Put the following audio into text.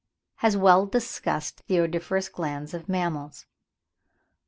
23) has well discussed the odoriferous glands of mammals.